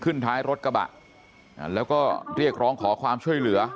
ท้ายรถกระบะแล้วก็เรียกร้องขอความช่วยเหลือ